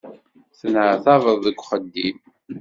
Tenneɛtabeḍ deg uxeddim.